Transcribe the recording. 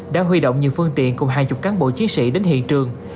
đã huy động những phương tiện cùng hai mươi cán bộ chiến sĩ đến hiện trường